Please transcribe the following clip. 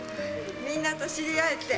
みんなと知り合えて。